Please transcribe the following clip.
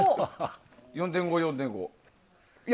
４．５と４．５。